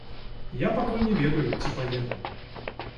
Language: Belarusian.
Я пакуль не ведаю, ці паеду.